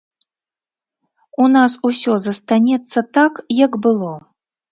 У нас усё застанецца так, як было.